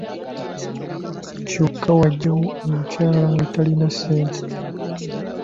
Kyokka wajjawo omukyala nga talina ssente.